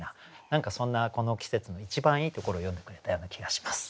何かそんな季節の一番いいところを詠んでくれたような気がします。